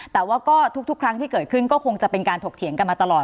แต่ว่าก็ทุกครั้งที่เกิดขึ้นก็คงจะเป็นการถกเถียงกันมาตลอด